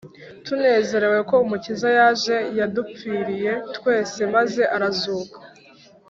tunezerewe ko umukiza yaje yadupfiriye twese maze arazuka